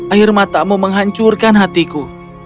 air matamu menghancurkan hatiku